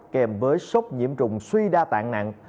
kèm với sốc nhiễm trùng suy đa tạng nặng